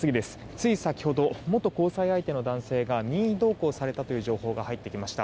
つい先ほど、元交際相手の男性が任意同行されたという情報が入ってきました。